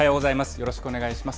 よろしくお願いします。